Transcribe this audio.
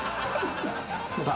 そうだ。